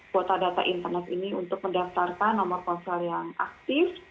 kuota data internet ini untuk mendaftarkan nomor ponsel yang aktif